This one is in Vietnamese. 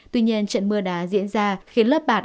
tuy nhiên trận mưa đá diễn ra khiến lớp bạt